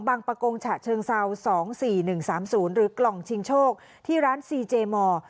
บังปะโกงฉะเชิงเซาสองสี่หนึ่งสามศูนย์หรือกล่องชิงโชคที่ร้านซีเจมอร์